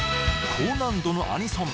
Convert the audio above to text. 高難度のアニソン